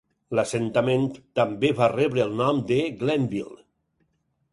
L"assentament també va rebre el nom de Glenville.